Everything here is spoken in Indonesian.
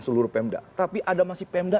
seluruh pemda tapi ada masih pemda